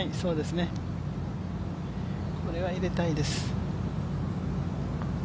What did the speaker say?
これは入れたいです。